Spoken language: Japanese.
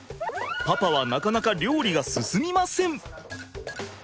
パパはなかなか料理が進みません。